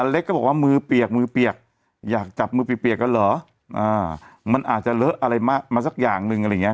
เล็กก็บอกว่ามือเปียกมือเปียกอยากจับมือเปียกกันเหรอมันอาจจะเลอะอะไรมาสักอย่างหนึ่งอะไรอย่างเง